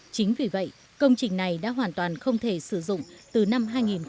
chính vì vậy công trình này đã được sử dụng từ năm hai nghìn ba